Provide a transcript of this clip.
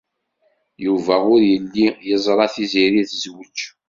Yuba ur yelli yeẓra Tiziri tezwej.